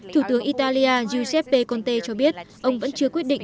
thủ tướng italia giuseppe conte cho biết ông vẫn chưa quyết định